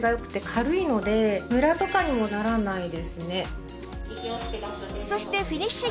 ムラとかにもならないですね。